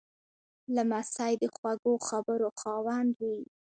لمسی د خوږو خبرو خاوند وي.